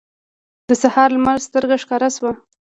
د سهار لمر سترګه ښکاره شوه.